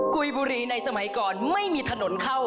กุยบุรีในสมัยก่อนไม่มีถนนเข้า